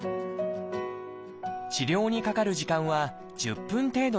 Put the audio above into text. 治療にかかる時間は１０分程度です。